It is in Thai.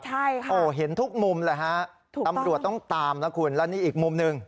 ใช่ค่ะโอ้เห็นทุกมุมเลยฮะถูกตำรวจต้องตามนะคุณแล้วนี่อีกมุมหนึ่ง